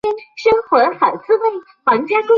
卡夏在俄斯特拉发开始他的职业生涯。